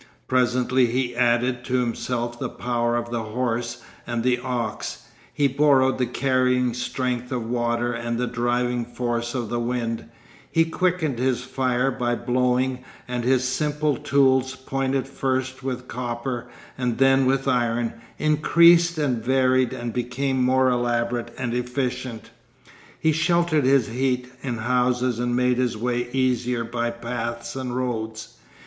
Presently he added to himself the power of the horse and the ox, he borrowed the carrying strength of water and the driving force of the wind, he quickened his fire by blowing, and his simple tools, pointed first with copper and then with iron, increased and varied and became more elaborate and efficient. He sheltered his heat in houses and made his way easier by paths and roads.